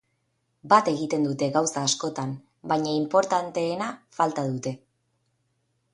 Bat egiten dute gauza askotan, baina inportanteena falta dute.